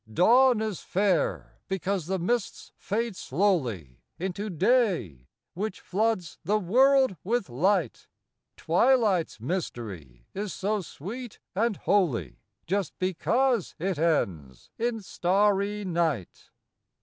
Dawn is fair, because the mists fade slowly Into Day, which floods the world with light; Twilight's mystery is so sweet and holy Just because it ends in starry Night.